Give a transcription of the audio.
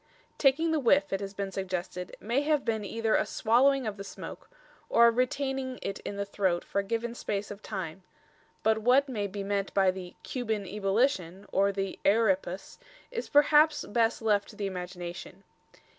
Taking the whiff, it has been suggested, may have been either a swallowing of the smoke, or a retaining it in the throat for a given space of time; but what may be meant by the "Cuban ebolition" or the "euripus" is perhaps best left to the imagination.